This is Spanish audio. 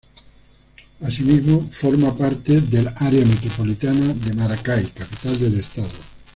Asimismo forma parte del área metropolitana de Maracay, capital del estado.